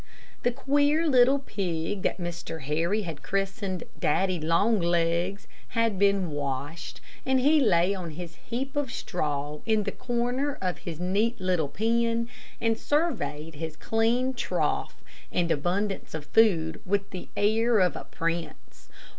The queer little pig that Mr. Harry had christened "Daddy Longlegs," had been washed, and he lay on his heap of straw in the corner of his neat little pen, and surveyed his clean trough and abundance of food with the air of a prince.